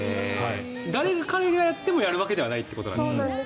誰がやってもやるわけではないということですね。